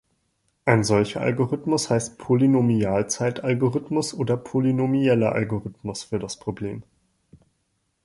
Ein solcher Algorithmus heißt "Polynomialzeit-Algorithmus" oder "polynomieller Algorithmus" für das Problem.